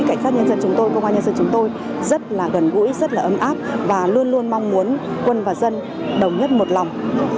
cảnh sát nhân dân chúng tôi công an nhân dân chúng tôi rất là gần gũi rất là ấm áp và luôn luôn mong muốn quân và dân đồng nhất một lòng